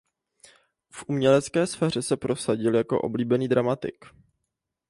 V umělecké sféře se prosadil jako oblíbený dramatik.